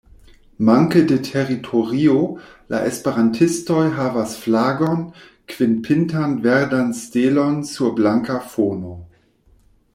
Manke de teritorio, la esperantistoj havas flagon, kvinpintan verdan stelon sur blanka fono.